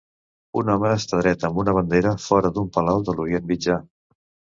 Un home està dret amb una bandera fora d'un palau de l'Orient Mitjà.